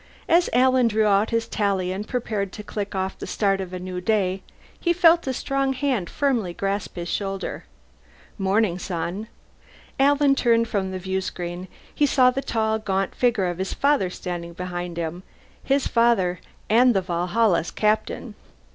As Alan drew out his Tally and prepared to click off the start of a new day, he felt a strong hand firmly grasp his shoulder. "Morning, son." Alan turned from the viewscreen. He saw the tall, gaunt figure of his father standing behind him. His father and the Valhalla's captain.